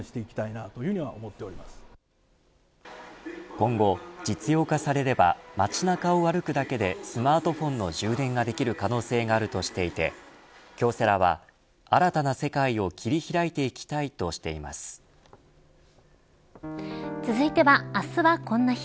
今後、実用化されれば街中を歩くだけでスマートフォンの充電ができる可能性があるとしていて京セラは新たな世界を切り開いていきたいと続いては、あすはこんな日。